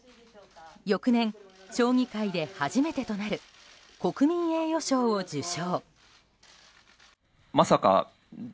翌年、将棋界で初めてとなる国民栄誉賞を受賞。